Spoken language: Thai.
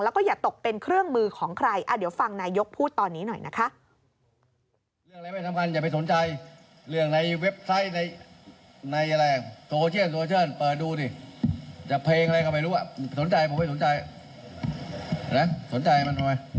แล้วก็อย่าตกเป็นเครื่องมือของใครเดี๋ยวฟังนายกพูดตอนนี้หน่อยนะคะ